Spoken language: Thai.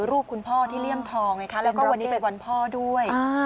รูปคุณพ่อที่เลี่ยมทองไงคะแล้วก็วันนี้เป็นวันพ่อด้วย